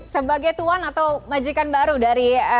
sebagai tuan atau majikan baru dari